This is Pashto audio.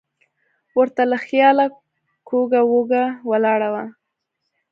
ور ته له خیاله کوږه وږه ولاړه وه.